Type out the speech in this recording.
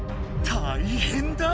大変だ！